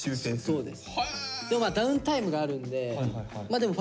そうです。